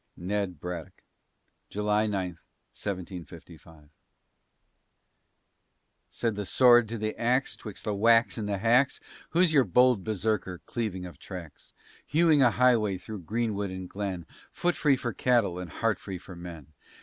NED BRADDOCK [July 9, 1755] Said the Sword to the Ax, 'twixt the whacks and the hacks, "Who's your bold Berserker, cleaving of tracks? Hewing a highway through greenwood and glen, Foot free for cattle and heart free for men?"